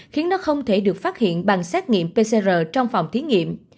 khiến nó không thể được phát hiện bằng xét nghiệm pcr trong phòng thí nghiệm